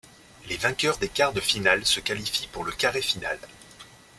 Les vainqueurs des quarts de finale se qualifient pour le carré final.